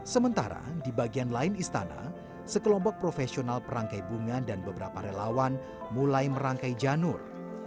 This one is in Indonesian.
sementara di bagian lain istana sekelompok profesional perangkai bunga dan beberapa relawan mulai merangkai janur